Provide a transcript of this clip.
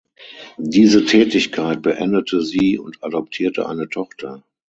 Diese Tätigkeit beendete sie und adoptierte eine Tochter.